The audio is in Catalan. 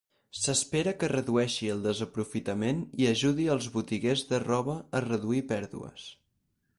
S'espera que redueixi el desaprofitament i ajudi els botiguers de roba a reduir pèrdues.